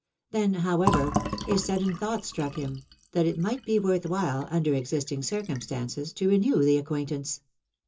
Then, however, " a sudden thought struck him," that it might be worth whUe, under exist ing circumstances, to renew the acquaintance.